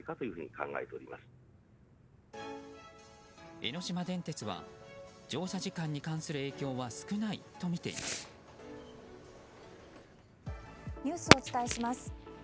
江ノ島電鉄は乗車時間に関する影響はニュースをお伝えします。